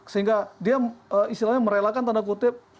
sehingga dia istilahnya merelakan tanda kutip